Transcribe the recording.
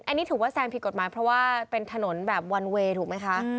อันนี้ถือว่าแซงผิดกฎหมายเพราะว่าเป็นถนนแบบวันเวย์ถูกไหมคะ